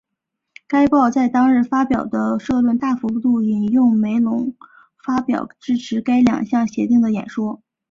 该报在当日发表的社论大幅度引用梅隆尼发表支持该两项协定的演说。